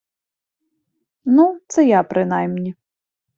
Ну, це я принаймні